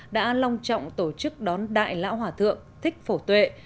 đã long trọng tổ chức đón đại lão hòa thượng thích phổ tuệ